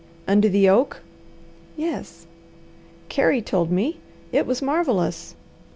"Under the oak?" "Yes." "Carey told me. It was marvellous."